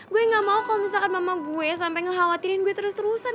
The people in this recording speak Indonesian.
gue gak mau kalo misalkan mama gue sampe ngekhawatirin gue terus terusan